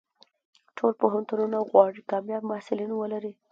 ټول پوهنتونونه غواړي کامیاب محصلین ولري.